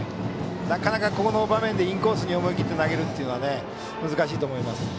なかなか、この場面でインコースに思い切って投げるっていうのは難しいと思います。